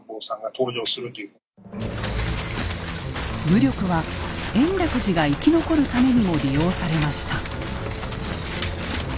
武力は延暦寺が生き残るためにも利用されました。